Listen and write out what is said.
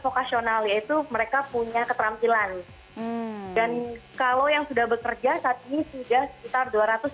vokasional yaitu mereka punya keterampilan dan kalau yang sudah bekerja saat ini sudah sekitar